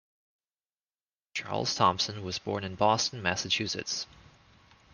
Charles Thompson was born in Boston, Massachusetts.